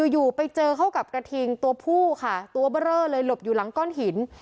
อยู่ไปเจอเข้ากับกระทิงตัวผู้ค่ะตัวเบอร์เรอเลยหลบอยู่หลังก้อนหิน